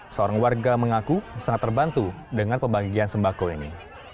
seorang warga mengaku sangat terbantu dengan pembagian sembako ini